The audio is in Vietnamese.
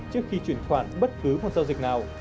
trước khi chuyển khoản bất cứ một giao dịch nào